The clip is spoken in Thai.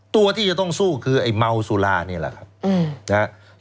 ตัวที่จะต้องสู้คือไอ้เมาสุรานี่แหละครับ